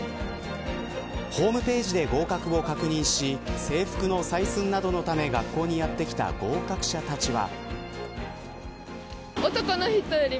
ホームページで合格を確認し制服の採寸などのため学校にやって来た合格者たちは。